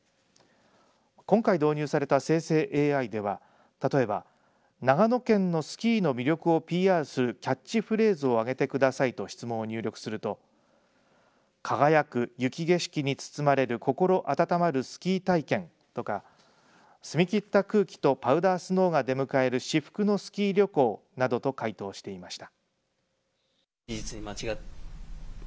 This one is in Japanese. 今回導入された生成ＡＩでは例えば長野県のスキーの魅力をＰＲするキャッチフレーズを挙げてくださいと質問を入力すると輝く雪景色に包まれる心温まるスキー体験とか澄み切った空気とパウダースノーが出迎える至福のスキー旅行などと回答していました。